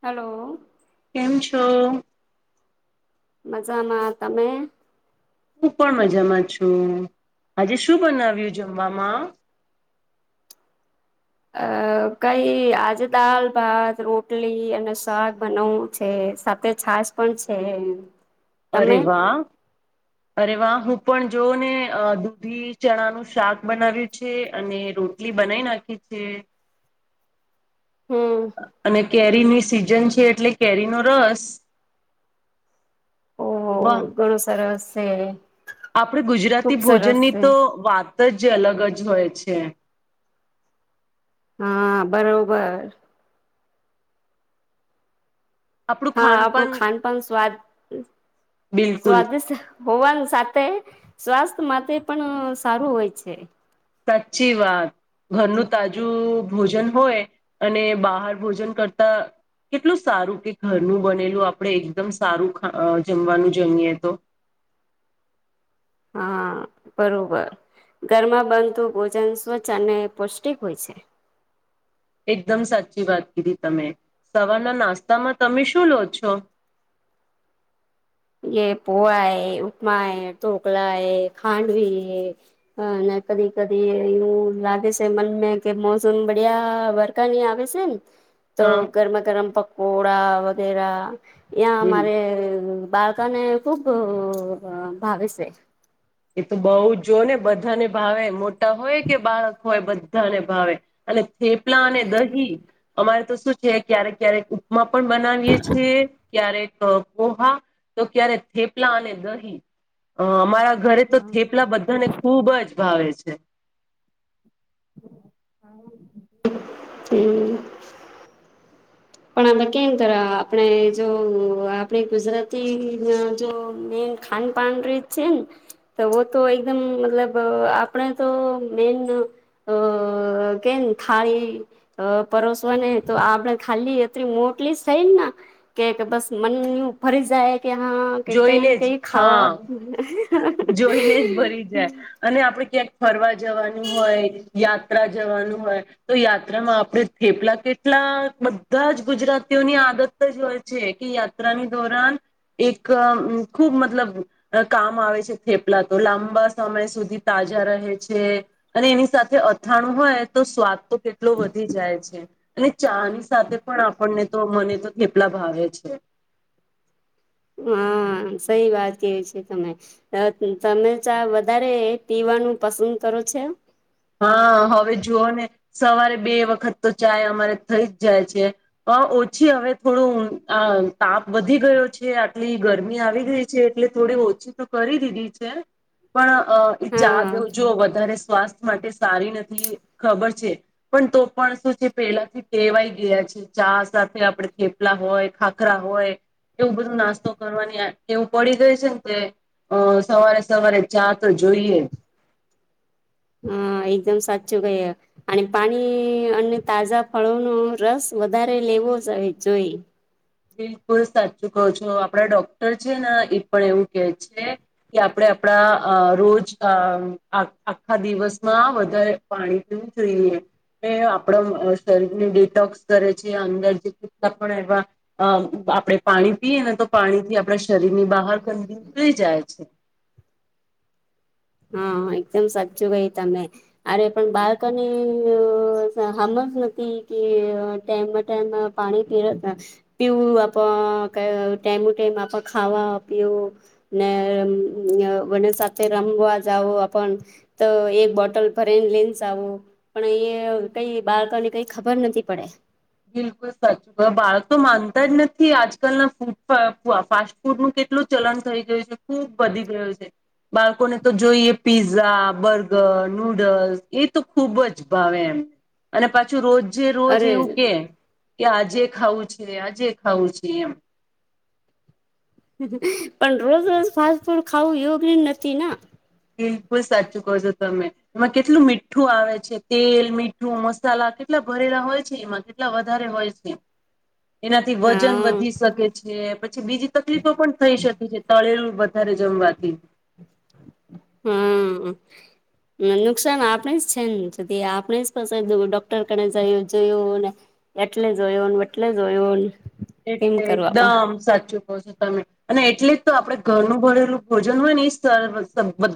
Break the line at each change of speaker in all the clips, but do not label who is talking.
Hello
કેમ છો
મજામાં તમે
હું પણ મજામાં છું આજે શું બનાવ્યું જમવામાં
અ કઈ આજે દાલ ભાત રોટલી અને શગ બનાવવું છે સાથે છાશ પણ છે
અરે
તમે
વા અરે વાહ હું પણ જોવ ને દૂધી ચણાનું શાક બનાવ્યું છે અને રોટલી બનાઈ નાખી છે
હમ
અને કેરીની સિઝન છે એટલે કેરી નો રસ
ઓહો
વાહ!
ઘણું સરસ છે
આપણે
ખુબ
ગુજરાતી
સરસ
ભોજનની
છે
તો વાત જ અલગ જ હોય છે છે
હા બરોબર
આપણું
હા
ખાનપાન
આપણું ખાનપાન સ્વાદ
બિલકુલ
સ્વાદિષ્ટ હોવાનું સાથે સ્વાસ્થ માટે પણ સારું હોય છે
સાચી વાત ઘરનું તાજું ભોજન હોય અને બહાર ભોજન કરતા કેટલું સારું કે ઘરનું બનેલું આપણે એકદમ સારુંા જમવાનું જમીએ તો
હા બરોબર ઘરમાં બનતું ભોજન સ્વચ્છ અને પૌષ્ટિક હોય છે
એકદમ સાચી વાત કીધી તમે સવારના નાસ્તામાં તમે શું લો છો
એ પોોવાય ઉપમાય ઢોકલાય ખાંડવી અને કદી કદી એવું લાગે છે મન કે મોસમ બડિયા વરખા ની આવે છે ને તો
હા
ગરમ ગરમ પક ઘોડા વગેરા યા
બિલ
અમારે બાળ તને ખુબ ભાવે છે
એ તો બઉુ જો ને બધાને ભાવે મોટા હોય કે બાળક હોય બધા ધાને ભાવે અને થેપલા અને દહી અમારે તો શું છે ક્યારેક ક્યારેક ઉપમા પણ બનાવીએ છીએ ક્યારે પોહા તો ક્યારે થેપલા અને દહી અમારા તો થેપલા બધા ને ખુબ જ ભાવે છે
હમ પણ આપણે કેમ કર આપણે જો આપડી ગુજરાતી જો મેન ખાાન પાાન રીત છે ને તો તો એકદમ મતલબ આપણે તો મેન કે ખાળી પરોસવા ને તો આપણે ખાલી મોટલી થઈ કે બસ મન ફરી જાય કે હા કે કઈ
જોઈને જ
કઈ ખાવા
હા જોઈને જ ભરી જાય અને આપડે ક્યાંક ફરવા જવાનું હોય યાત્રા જવાનું હોય તો યાત્રામાં આપણે થેપલા કેટલા બધા જ ગુજરાતીઓની આદત જ હોય છે કે યાત્રાની ધોરણ એક ખુબ મતલબ કામ આવે છે થેપલા તો લાંબા સમય સુધી તાજા રહે છે અને એની સાથે અથાણું હોય તો સ્વાદ તો કેટલો વધી જાય છે અને ચાની સાથે પણ આપણને તો મને તો કેટલા ભાવે છે
હા સહી વાત કેવી છે તમે તમે ચા વધારે પીવાનું પસંદ કરો છો
હા હવે જુઓ ને સવારે બે વખત તો ચાય અમારે થઈ જ જાય છે ઓછી હવે થોડું આ તાપ વધી ગયો છે આટલી ગરમી આવી ગઈ છે એટલે થોડી ઓછી તો કરી દીધી છે પણ અ ચા
હા
દઉજુ વધારે સ્વાસ્થ માટે સારી નથી ખબર છે પણ તો પણ શું છે પેલાથી કેવાય ગયા છે ચા સાથે આપણે થેપલા હોય ખાખરા હોય એવું બધું નાસ્તો કરવાની એવું પડી ગય છે ને તે અ સવારે સવારે ચા તો જોઈએ
હા એકદમ સાચું કઈ અને પાણી અને તાજા ફળોનોો રસ વધારે લેવો જ જોઈ
બિલકુલ સાચું કહો છો આપડા ડોક્ટર છે ને એ પણ એવું કે છે કે આપણે આપણા રોજ આખા દિવસમાં વધારે પાણી પીવું જોઈએ આપડ શરીરને ડિટોક્સ કરે છે અંદર જેટલા પણ એવા અ આપણેે પાણી પીએ ને તો પાણી થી આપણા શરીર ની બહાર ીી જાય છે
હા એકદમ સાચું કઈ તમે અરે પણ બાળકોની સમમજ નથી કે ટાઈમમાં ટાઈમ પાણી પી પીવું આપ ટાઈમ ટાઈમ આપ ખાવા પીવું ને બને સાથે રમવા આવ તો એક બોટલ પર એને લેન્સ આવો પણ એ કઈ બાળકો ને કઈ ખબર નથી પડે
બિલકુલ સાચું બાળક તો માનતા જ નથી આજકાલના ફૂડ ફાસ્ટ ફૂડનું કેટલું ચલણ થઈ ગયું છે ખૂબ વધી ગયું છે બાળકોને તો જોઈએ પીઝા બર્ગર નુડલ્સ એ તો ખુબ જ ભાવે એમ અને પાછું રોજ જે રોજ
અરે
એવું કે આજે ખાવું છે આજે ખાવું છે એમ
પણ રોજ રોજ ફાસ્ટ ફૂડ ખાવું યોગ નથી ના
બિલકુલ સાચું કજો તમે એમાં કેટલું મીઠું આવે છે તેલ મીઠું મસાલા કેટલા ભરેલા હોય છે એમાં કેટલા વધારે હોય છે એનાથી વજન વધી
હા
શકે છેી બીજી તકલીફો પણ થઈ શકે છે તળેલું વધારે જમવાથી
હા નુકસાન આપણે જ છે નેધ આપણે જ પ ડોક્ટર કને જોયુંને એટલે જોયો એટલે જોયો
એટલે એકદમ સાચું ો તમે અને એટલે જ તો આપડે ઘરનું ભરેલું ભોજન હોય ને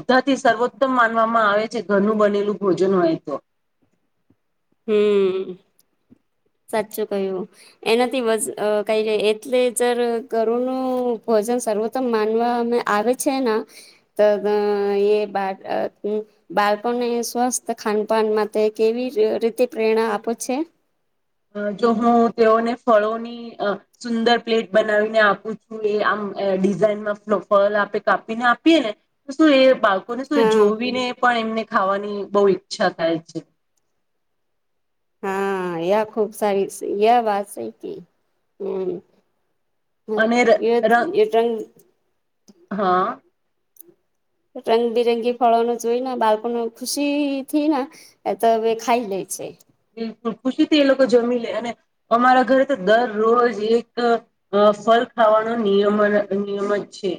બધા થી સર્વોત્તમ માનવામાં આવે છે ઘરનું બનેલું ભોજન હોય તો
હમ સાચું કય્યું એનાથી કઈ ર એટલે જ ગરુનું ભોજન સર્વોત્તમ માનવા આવે છે ત એ બા બાળકોને સ્વસ્થ ખાનપાન માટે કેવી રી પ્રેરણા આપો છે
જો હું તેઓને ફળોની સુંદર પ્લેટ બનાવીને આપું છું એ આમ ડિઝાઇનમાં ફળ આપે કાપીને આપીએ ને તો શું એ બા ને શું
હા
જોવીને પણ એમને ખાવાની બહુ ઈચ્છા થાય છે
હા એ ખુબ સારી એ વાત છે કે હમ હમ
અને ર
એ
ર
એટંગ
હા
રંગબિરંગી ફળો ન જોઈ ને બાળકોને ખુશી થી ને એ તો હવે ખાઈ લે છે
બલુલ ખુશીથી એ લોકો જમી લે અને અમારા ઘરે તો દરરોજ એક ફલ ખાવાનો નિયમ નિયમ જ છે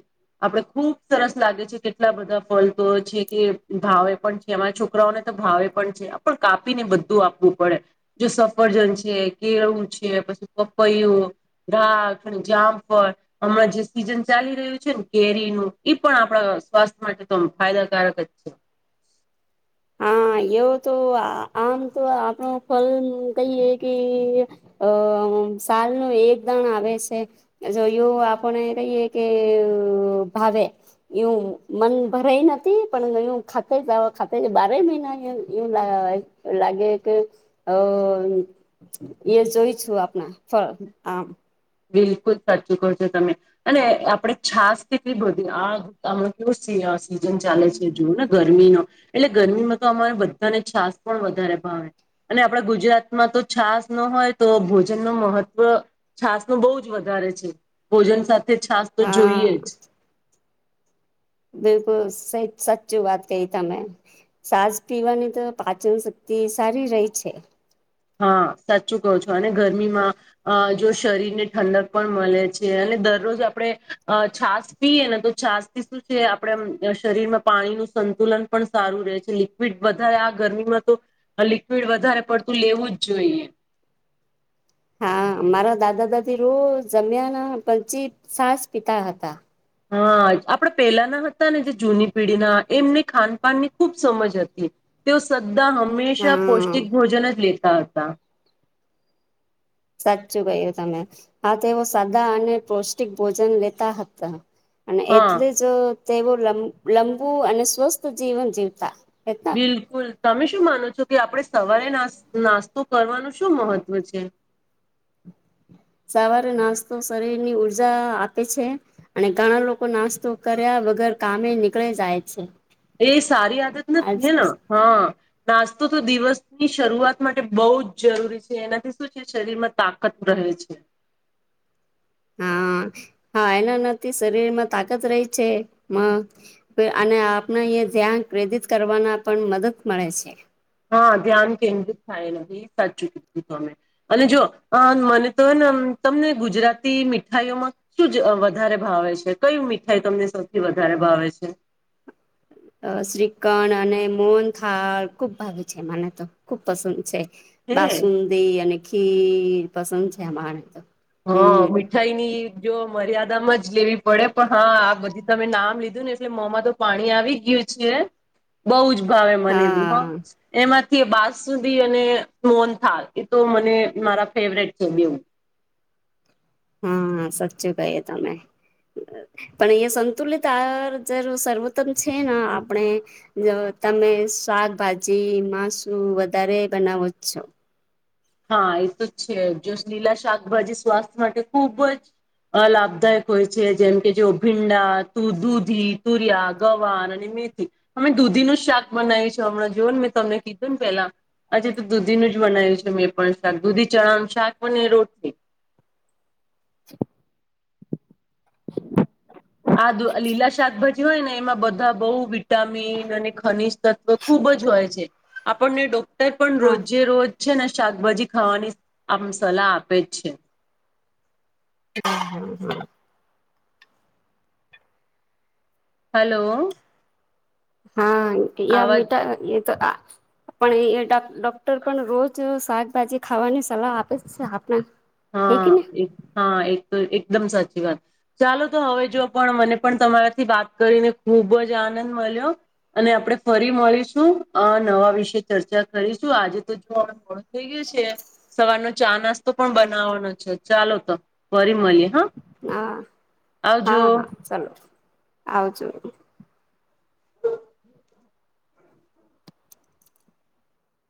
આપડે ખુબ સરસ લાગે છે કેટલા બધા ફલ તો છે કે ભાવે પણ છે અમારા છોકરાઓને તો ભાવે પણ છે આપણ કાપીને બધું વું પડે જો સફરજન છે કેળું છે પછી પપૈું ઘાખ જામફળ હમણાં જે સીઝન ચાલી રહ્યું છે ને કેરીનું એ પણ આપણા સ્વાસ્થ્ય માટે તો ફાયદાકારક જ છે
હા એવો તો આમ તો આપણો ફલ કહીએ કે સાલ ન એકદણ આવે છે જો એવ આપણે કહીએ કે ભાવે એું મન ભરાય નથી પણ એ ખાતે જ ખા બારે મહિના એવું લાગે કે અ એ જોઈ છું આપણા ફળ આમ
બિલકુલ સાચું કર છો તમે અને આપડે છાસ કે બધી આ આ કેવું સિ સિઝન ચાલે છે જુઓ ને ગરમીનો એટલે ગરમીમાં તો અમારા બધાને છાસ પણ વધારે ભાવે અને આપણા ગુજરાતમાં તો છાસ ન હોય તો ભોજન ન મહત્ત્વ છાસ બહુ જ વધારે છે ભોજન સાથે છાસ તો જોઈએ
હા
જ
બિલકુલ સાચચું વાત ક તમે સાસ પીવાની તો પાચન શક્તિ સારી રહી છે
હા સાચું કહો છો અને ગરમીમાં અ જો શરીરને ઠંડક પણ મળે છે અને દરરોજ આપણે છાસ પીએ ને તો છાસ થી શું છે આપણે શરીરમાં પાણીનુંું સંતુલન પણ સારું રહે છે લિક્વિડ વધારે આ ગરમીમાં તો લિક્વિડ વધારે પડત લેવું જ જોઈએ
હા મારા દાદા દાદી રોજ જમ્યાના પચી સાસ પિતા હતા
હા આપડા પહેલાના હતા ને જે જૂની પેઢીના એમને ખાનપાનની ખૂબ સમજ હતી તેઓ હંમેશા
હા
પૌષ્ટિક ભોજન જ લે ત ત
સાચું કય્યું તમે આા તેઓ સાદા અને પૌષ્ટિક ભોજન લેતા હતા અને
હા
એટલે જ તેવું લંબુ અને સ્વસ્થ જીવન જીવતા હતા
બિલકુલ તમે શું માનો છો કે આપણે સવારે નાસ્તો કરવાનું શું મહત્વ છે
સવારે નાસ્તો શરીરની ઉઊર્જા આપે છે અને ઘણા લોકો નાસ્તો કર્યા વગર કામે નીકળે જાય છે
એ સારી આદત
આજ
નથી હે હા નાસ્તો તો દિવસની શરૂઆત માટે બહુ જ જરૂરી છે એનાથી શું છે શરીરમાં તાકત રહે છે
હા હા એના નથીથી શરીરમાં તાકાત રહી છે અને આપણે અ ધ્યાન પ્રેરિત કરવાના પણ મદદ મળે છે
હા ધ્યાન કેન્દ્રિત થાય ન સાચું કીધું તમે અને જો મને તો ને તમને ગુજરાતી મીઠાઈઓમાં શું વધારે ભાવે છે કય મીઠાઈ તમને સૌથી વધારે ભાવે છે
અ શ્રીખણ અને મોન થળ ખુબ ભાગે છે મને તો ખુબ પસંદ છે
હે
બાસન દ અનેખી પસંદ છે અણા આને તો
હા
હમ
મીઠાઈ ની જો મર્યાદા જ લેવી પડે પણ હા આ બધી તમે નામ લીધું ને એટલે મોમાં તો પાણી આવી ગયું છે બહ જ ભાવે મને બ
હા
એમાં કે બા સુધી અને મોન થ એ તો મને મારા ફેવરેટ છે બેવું
હા સાચું કહીએ તમે પણ અહીયા સંતુલિત આ જરૂ સર્વોત્તમ છે ને આપણે તમે શાકભાજી માસુ વધારે બનાવો જ છો
હા એ તો છે જો લીલા શાકભાજી સ્વાસ્થ્ય માટે ખુબ જ લાભદાયક હોય છે જેમ કે જો ભીંડા દૂધી તુરિયા ગવાન અને મેથી અમે દૂધીનું જ શાક બનાય્યું છે હમણાં જોઓ ને મેં તમને કીધું ને પેલા આજે તો દૂધીનું જ બનાય્યું છે મે પણ શાક દૂધી ચણાવનું શાક બને રોટલી
[inaudible] [inaudible]
આ દુ લીલા શાકભાજી હોય ને એમાં બધા બહુ વિટામિન અને ખનીજ તત્વ ખુબ જ હોય છે આપણને ડો તો પણ
હા
રોજે રોજ છે ને શાકભાજી ખાવાની આ સલાહ આપે જ છે
હમ હમ હમ
હલો
હા
આવાજ
મીઠા તો આપ ડ ડ ડોક્ટર પણ રોજ શાકભાજી ખાવાની સલાહ આપે છે આપણે
હા એક હા એક એકદમ સાચી વાત ચાલો તો હવે જો પણ મને પણ તમારાથી વાત કરીને ખુબ જ આનંદ મળ્યો અને આપણે ફરી મળીશું નવા વિશે ચર્ચા કરીશું આજે તો જો મોડું થઈ ગય છે સવારનો ચા નાસ્તો પણ
હા
બ વા છે ચાલો તો ફરી મળીએ હા
હા
આવજો
હા હા ચાલો આવજો